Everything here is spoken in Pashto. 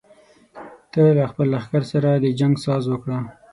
ته له خپل لښکر سره د جنګ ساز وکړه.